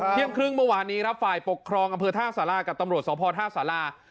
เที่ยงครึ่งเมื่อวานนี้ครับฝ่ายปกครองอำเภอท่าสารากับตำรวจสพท่าสารา